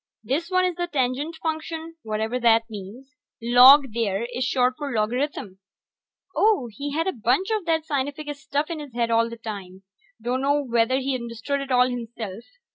This one is the Tangent Function, whatever that means. Log, there, is short for logarithm. Oh, he had a bunch of that scientific stuff in his head all the time; dunno whether he understood it all himself.